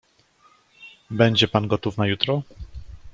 "Będzie pan gotów na jutro?"